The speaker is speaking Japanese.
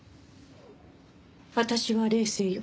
私は冷静よ。